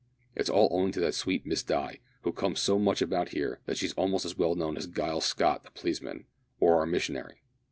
It's all owing to that sweet Miss Di, who comes so much about here that she's almost as well known as Giles Scott the policeman, or our missionary.